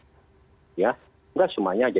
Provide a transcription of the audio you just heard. tidak semuanya saja